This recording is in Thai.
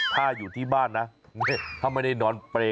ถ้าอยู่ที่บ้านนะถ้าไม่ได้นอนเปรย